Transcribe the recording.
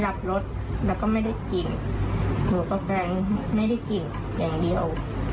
แล้วก็ไม่ได้กินหรือก็แปลงไม่ได้กินอย่างเดียว